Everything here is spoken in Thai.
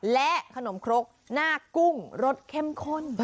และขนมครกหน้ากุ้งรสเข้มข้น